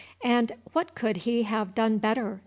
—"And what could he have done better?"